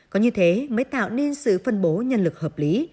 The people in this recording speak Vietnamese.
có như thế mới tạo nên sự phân bố nhân lực hợp lý